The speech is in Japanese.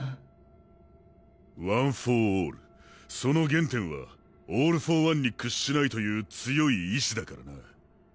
ワン・フォー・オールその原点はオール・フォー・ワンに屈しないという強い意志だからな。